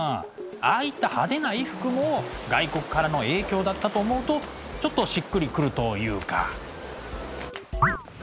ああいった派手な衣服も外国からの影響だったと思うとちょっとしっくり来るというか。